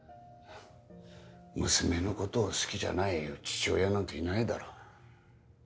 娘のことを好きじゃない父親なんていないだろう。